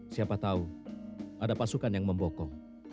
siapa tahu ada pasukan yang membokoh